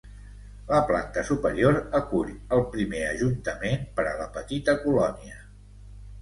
La planta superior acull el primer ajuntament per a la petita colònia.